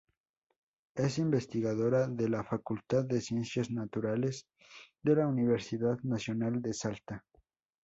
Es investigadora en la "Facultad de Ciencias Naturales", de la Universidad Nacional de Salta.